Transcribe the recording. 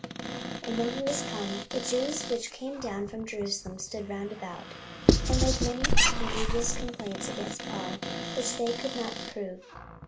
44:025:007 And when he was come, the Jews which came down from Jerusalem stood round about, and laid many and grievous complaints against Paul, which they could not prove.